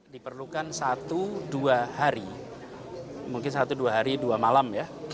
diperlukan satu dua hari mungkin satu dua hari dua malam ya